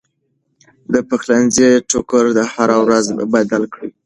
د پخلنځي ټوکر هره ورځ بدل کړئ.